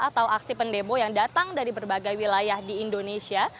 atau aksi pendemo yang datang dari berbagai wilayah di indonesia